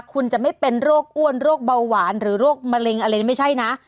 คุณจะไม่เป็นโรคอ้วนโรคเบาหวานหรือโรคมะเร็งอะไรไม่ใช่นะ